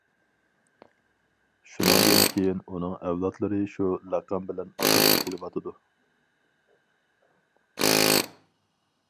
شۇنىڭدىن كېيىن ئۇنىڭ ئەۋلادلىرى شۇ لەقەم بىلەن ئاتىلىپ كېلىۋاتىدۇ.